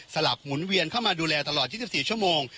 ลับหมุนเวียนเข้ามาดูแลตลอด๒๔ชั่วโมง